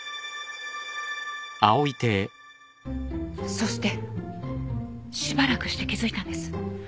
そしてしばらくして気付いたんです。